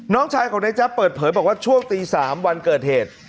น้องชายของนายแจ๊บเปิดเผยบอกว่าช่วงตี๓วันเกิดเหตุ